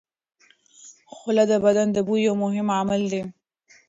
خوله د بدن د بوی یو مهم عامل دی.